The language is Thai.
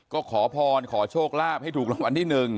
ก็ขอพรขอโชคลาภให้ถูกรางวัลที่๑